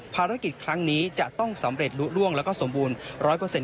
ภารกิจครั้งนี้จะต้องสำเร็จลุล่วงแล้วก็สมบูรณ์๑๐๐